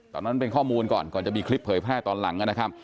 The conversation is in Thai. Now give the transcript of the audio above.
ตอนนั้นเป็นข้อมูลก่อนก่อนจะมีคลิปเผยแพร่ตอนหลังนะครับ